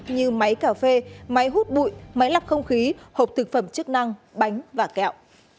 như máy cà phê máy hút bụi máy lọc không khí hộp thực phẩm chức năng bánh và kẹo